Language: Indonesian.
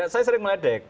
saya sering meledek